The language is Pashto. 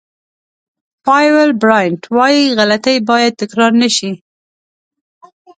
پایول براینټ وایي غلطۍ باید تکرار نه شي.